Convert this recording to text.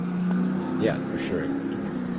Yeah, for sure.